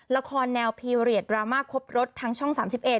ละครแนวพีเรียดดราม่าครบรถทางช่อง๓๑